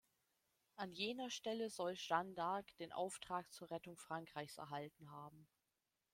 An jener Stelle soll Jeanne d’Arc den Auftrag zur Rettung Frankreichs erhalten haben.